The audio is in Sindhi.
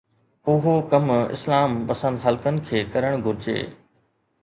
اهو ڪم اسلام پسند حلقن کي ڪرڻ گهرجي.